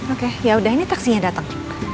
oke yaudah ini taksinya datang